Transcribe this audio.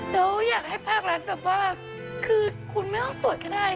แล้วอยากให้ภาครัฐแบบว่าคือคุณไม่ต้องตรวจก็ได้